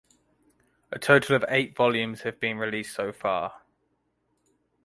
A total of eight volumes have been released so far.